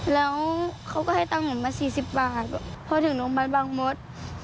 แล้วเขาก็ให้ตั้งหนูมาสี่สิบบาทพอถึงโรงพยาบาลบางมด